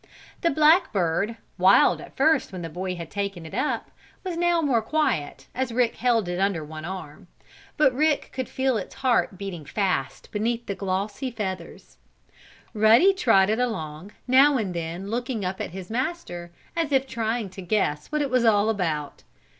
The black bird, wild at first when the boy had taken it up, was now more quiet, as Rick held it under one arm. But Rick could feel its heart beating fast beneath the glossy feathers. Ruddy trotted along, now and then looking up at his master, as if trying to guess what it was all about.